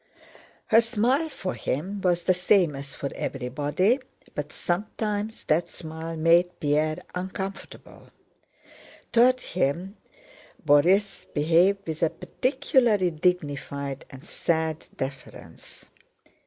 Her smile for him was the same as for everybody, but sometimes that smile made Pierre uncomfortable. Toward him Borís behaved with a particularly dignified and sad deference.